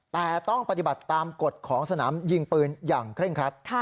แต่ต้องปฏิบัติตามกฎของสนามยิงปืนอย่างเคร่งครัด